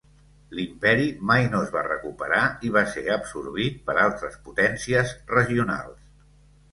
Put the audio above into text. L'imperi mai no es va recuperar i va ser absorbit per altres potències regionals.